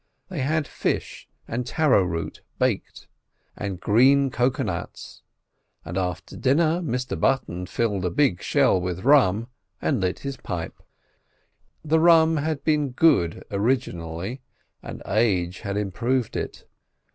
They had fish and taro root baked, and green cocoa nuts; and after dinner Mr Button filled a big shell with rum, and lit his pipe. The rum had been good originally, and age had improved it.